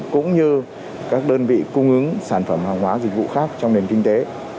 cũng như các đơn vị cung ứng sản phẩm hàng hóa dịch vụ khác trong nền kinh tế